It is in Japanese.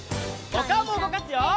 おかおもうごかすよ！